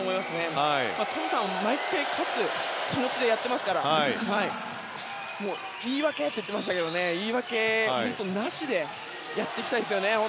トムさんは毎回勝つ気持ちでやっていますから言い訳！って言っていましたが言い訳なしでやっていきたいですよね。